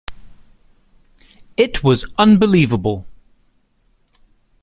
It was unbelievable.